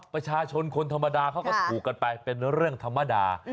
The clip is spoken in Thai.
ประชาชนคนธรรมดาเขาก็ถูกกันไปเป็นเรื่องธรรมดา